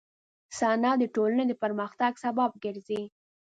صنعت د ټولنې د پرمختګ سبب ګرځي.